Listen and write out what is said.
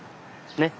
ねっ。